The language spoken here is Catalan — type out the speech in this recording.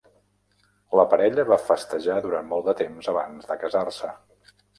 La parella va festejar durant molt de temps abans de casar-se.